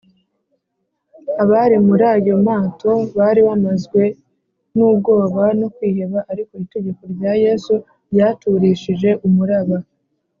abari muri ayo mato bari bamazwe n’ubwoba no kwiheba, ariko itegeko rya yesu ryaturishije umuraba